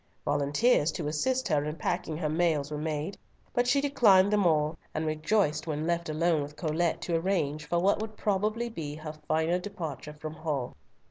Volunteers to assist her in packing her mails were made, but she declined them all, and rejoiced when left alone with Colet to arrange for what would be probably her final departure from Hull.